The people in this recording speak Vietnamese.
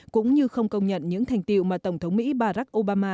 cũng như không công nhận những thành tiệu mà tổng thống mỹ barack obama